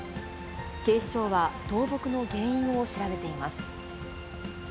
警視庁は、倒木の原因を調べています。